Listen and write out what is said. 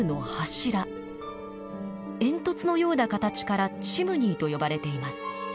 煙突のような形からチムニーと呼ばれています。